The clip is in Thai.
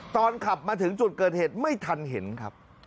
ขับมาถึงจุดเกิดเหตุไม่ทันเห็นครับ